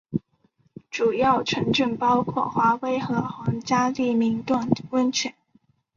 主要城镇包括华威和皇家利明顿温泉。